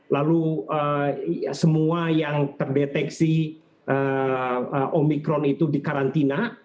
lalu semua yang terdeteksi omikron itu dikarantina